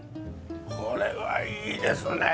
これはいいですね。